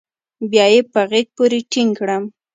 بيا يې په غېږ پورې ټينگ کړم.